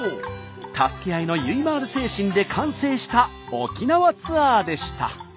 助け合いのゆいまーる精神で完成した沖縄ツアーでした。